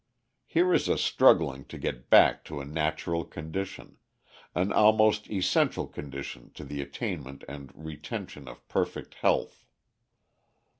Here is a struggling to get back to a natural condition, an almost essential condition to the attainment and retention of perfect health.